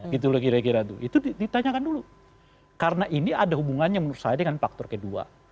gitu loh kira kira itu ditanyakan dulu karena ini ada hubungannya menurut saya dengan faktor kedua